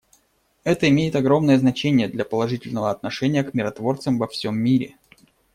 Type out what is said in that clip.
Это имеет огромное значение для положительного отношения к миротворцам во всем мире.